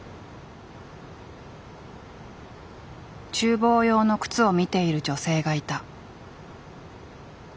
厨房用の靴を見ている女性がいた。